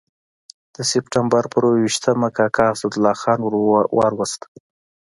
د سپټمبر پر اووه ویشتمه کاکا اسدالله خان ور ووست.